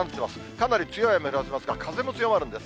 かなり強い雨ですが、風も強まるんです。